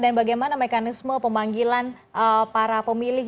dan bagaimana mekanisme pemanggilan para pemilih